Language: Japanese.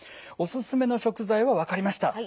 おすすめの食材は分かりました。